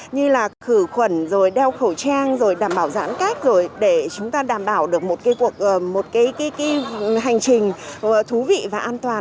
như là khử khuẩn rồi đeo khẩu trang rồi đảm bảo giãn cách rồi để chúng ta đảm bảo được một cái hành trình thú vị và an toàn